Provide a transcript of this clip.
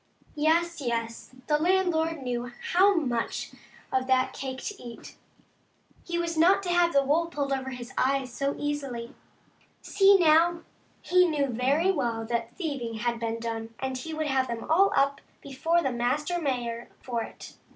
Yes, yes, the landlord knew how much of that cake to eat. He was not to have the wool pulled over his eyes so easily. See, now, he knew very well that thieving had been done, and he would have them all up before the master mayor for it.